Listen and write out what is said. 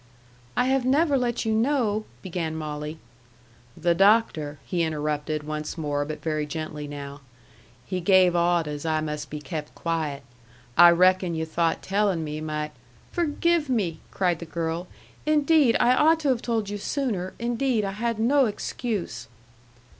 "I have never let you know " began Molly. "The doctor," he interrupted once more, but very gently now, "he gave awdehs I must be kept quiet. I reckon yu' thought tellin' me might " "Forgive me!" cried the girl. "Indeed I ought to have told you sooner! Indeed I had no excuse!"